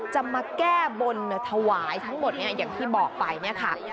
จะมาแก้บนถวายทั้งหมดเนี่ยอย่างที่บอกไปเนี่ยค่ะ